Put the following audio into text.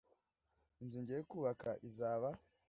Inzu ngiye kubaka izaba